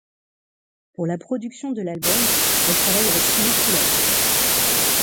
Pour la production de l'album, elle travaille avec Simon Fuller.